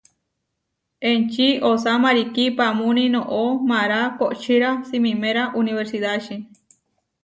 Enči osá marikí paamúni noʼo mará kohčíra simiméra unibersidáči.